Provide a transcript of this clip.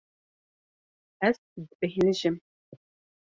Ez dibêhnijim.